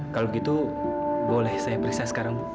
kalau gitu boleh saya periksa sekarang